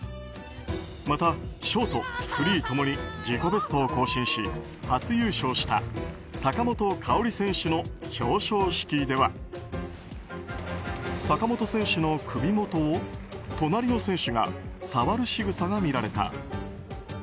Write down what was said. またショート、フリー共に自己ベストを更新し初優勝した坂本花織選手の表彰式では坂本選手の首元を隣りの選手が触るしぐさが見られた。